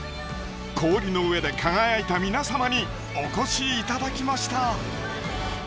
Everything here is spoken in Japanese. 氷の上で輝いた皆様にお越しいただきました！